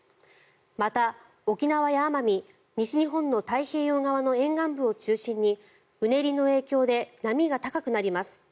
また、沖縄や奄美西日本の太平洋側の沿岸部を中心にうねりの影響で波が高くなります。